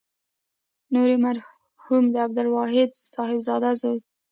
نوري مرحوم د عبدالواحد صاحبزاده زوی.